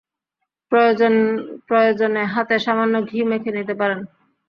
প্রয়োজনে হাতে সামান্য ঘি মেখে নিতে পারেন।